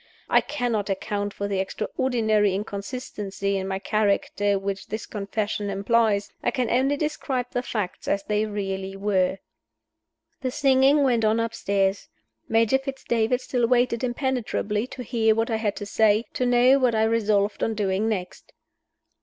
I cannot account for the extraordinary inconsistency in my character which this confession implies. I can only describe the facts as they really were. The singing went on upstairs. Major Fitz David still waited impenetrably to hear what I had to say to know what I resolved on doing next.